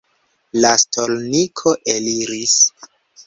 La stolniko eliris.